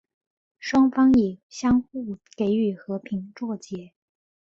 双方以相互给予和平作结。